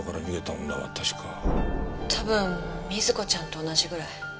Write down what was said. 多分瑞子ちゃんと同じぐらい。